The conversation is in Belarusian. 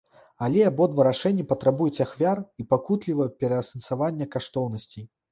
Але, абодва рашэнні патрабуюць ахвяр і пакутлівага пераасэнсавання каштоўнасцей.